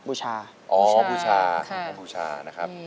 ภูชาอ๋อภูชานะครับ